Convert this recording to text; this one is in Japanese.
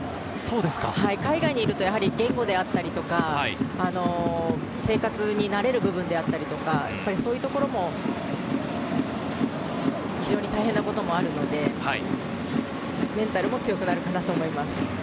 海外にいると言語であったり生活に慣れる部分であったり、そういうところも非常に大変なこともあるので、メンタルも強くなると思います。